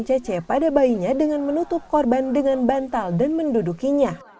cece pada bayinya dengan menutup korban dengan bantal dan mendudukinya